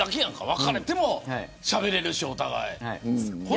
別れてもしゃべれるし、お互い。